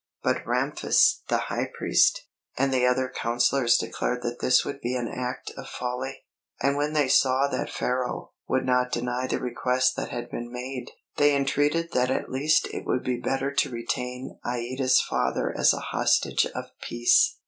But Ramphis, the High Priest, and the other counsellors declared that this would be an act of folly; and when they saw that Pharaoh would not deny the request that had been made, they entreated that at least it would be better to retain Aïda's father as a hostage of peace.